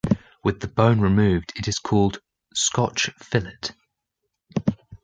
With the bone removed, it is called "Scotch fillet".